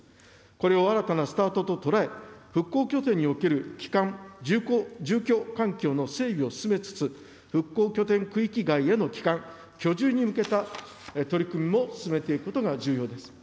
これを新たなスタートと捉え、復興拠点における帰還住居環境の整備を進めつつ、復興拠点区域外への帰還、居住に向けた取り組みも進めていくことが重要です。